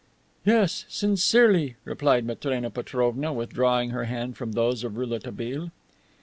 "Yes sincerely," replied Matrena Petrovna, withdrawing her hand from those of Rouletabille.